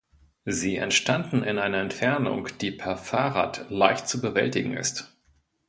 Sie entstanden in einer Entfernung, die per Fahrrad leicht zu bewältigen ist.